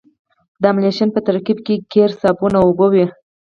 د املشن په ترکیب کې قیر صابون او اوبه وي